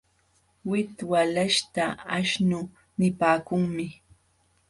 Wik walaśhta aśhnu nipaakunmi.